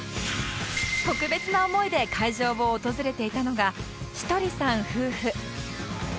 特別な思いで会場を訪れていたのが倭文さん夫婦